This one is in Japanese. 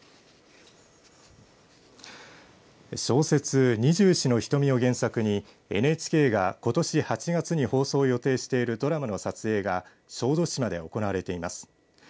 小説、二十四の瞳を原作にＮＨＫが、ことし８月に放送を予定しているドラマの撮影が小豆島で行われています。